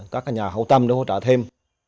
các nhà hậu tâm để hỗ trợ thêm